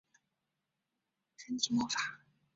轻轻吻上的神奇魔法